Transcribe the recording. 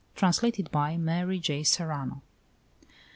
Translated by Mary J. Serrano.